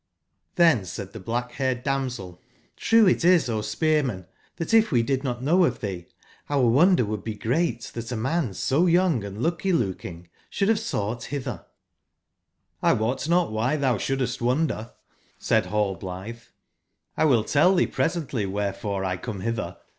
^^^nSJS said the black /haired damsel: ''True C^^ it is, O spearman, that if we did not know ^^a?3 of thee, our wonder would be great that a man so young & lucky/looking shou Id have sought hither''j?''lwot not why thou shouldest wonder,'* 68 saidnallblitbc; ''twill tell tbce presently wherefore 1 come bitber.